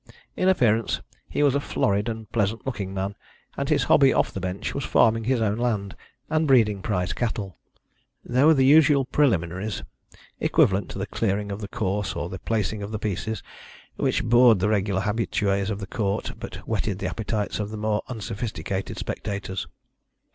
In appearance he was a florid and pleasant looking man, and his hobby off the bench was farming his own land and breeding prize cattle. There were the usual preliminaries, equivalent to the clearing of the course or the placing of the pieces, which bored the regular habitués of the court but whetted the appetites of the more unsophisticated spectators.